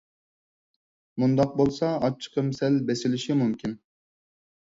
مۇنداق بولسا ئاچچىقىم سەل بېسىلىشى مۇمكىن.